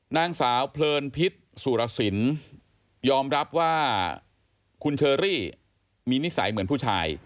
นางสาวเพลินพิษสุรสินยอมรับว่าคุณเชอรี่มีนิสัยเหมือนผู้ชาย